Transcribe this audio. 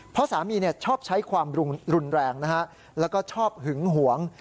เพราะสามีชอบใช้ความรุนแรงนะฮะแล้วก็ชอบหึงหวง